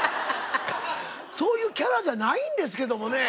そういうキャラじゃないんですけどもね。